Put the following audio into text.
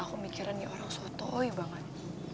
aku mikiran orang sotoi banget